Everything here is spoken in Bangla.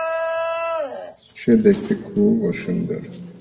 সে দেখতে খুব অসুন্দর।